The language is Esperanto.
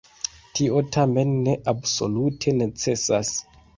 Tio tamen ne absolute necesas.